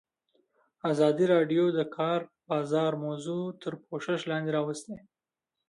ازادي راډیو د د کار بازار موضوع تر پوښښ لاندې راوستې.